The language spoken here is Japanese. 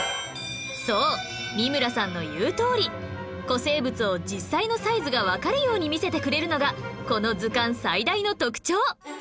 そう三村さんの言うとおり古生物を実際のサイズがわかるように見せてくれるのがこの図鑑最大の特徴！